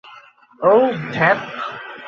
ওহ, ধ্যাত।